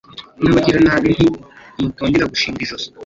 n’abagiranabi nti ’Mutongera gushinga ijosi